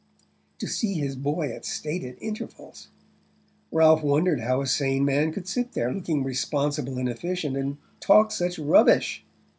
To see his boy at stated intervals! Ralph wondered how a sane man could sit there, looking responsible and efficient, and talk such rubbish...